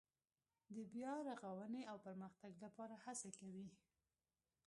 د بیا رغاونې او پرمختګ لپاره هڅې کوي.